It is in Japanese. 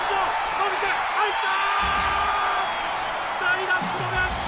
伸びた、入った！